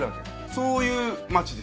そういう町です。